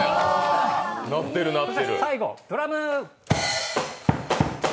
最後、ドラム。